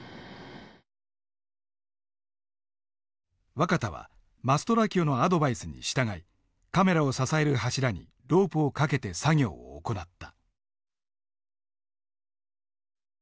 若田はマストラキオのアドバイスに従いカメラを支える柱にロープを掛けて作業を行った。